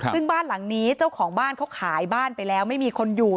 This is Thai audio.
ซึ่งบ้านหลังนี้เจ้าของบ้านเขาขายบ้านไปแล้วไม่มีคนอยู่